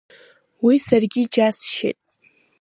Уи саргьы иџьасшьеит.